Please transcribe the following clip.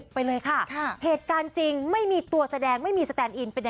หนังตากระตุกเลยคิดว่ามีดาเมนอยู่ที่สุดดาเมนเลย